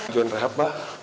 jualan rehab mbak